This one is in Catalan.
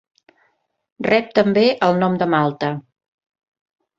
Rep també el nom de malta.